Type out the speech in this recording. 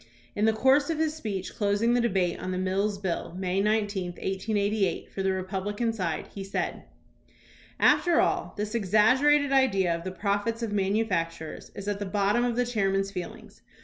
In the course of his speech closing the debate on the Mills Bill, May 19, 1888, for the Republican side, he said: After all, this exaggerated idea of the profits of manufac turers is at the bottom of the chairman's feelings.